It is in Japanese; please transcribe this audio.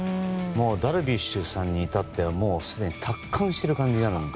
ダルビッシュさんに至ってはもうすでに達観している感じがあるので。